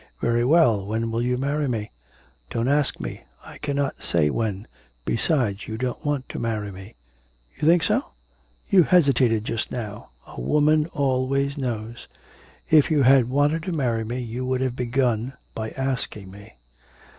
Very well, when will you marry me?' 'Don't ask me. I cannot say when. Besides, you don't want to marry me.' 'You think so?' 'You hesitated just now. A woman always knows. ... If you had wanted to marry me you would have begun by asking me.'